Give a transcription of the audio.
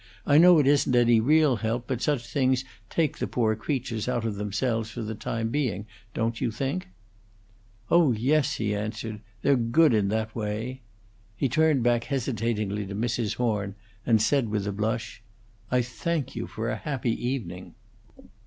I know it isn't any real help, but such things take the poor creatures out of themselves for the time being, don't you think?" "Oh yes," he answered. "They're good in that way." He turned back hesitatingly to Mrs. Horn, and said, with a blush, "I thank you for a happy evening."